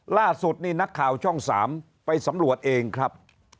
ล่าสุดนี่นักข่าวช่อง๓ไปสำรวจเองครับ